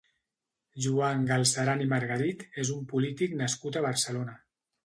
Joan Galceran i Margarit és un polític nascut a Barcelona.